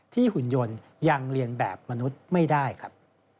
หุ่นยนต์ยังเรียนแบบมนุษย์ไม่ได้ครับ